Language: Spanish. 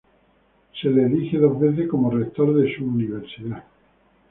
Se le elige dos veces como rector de su Universidad.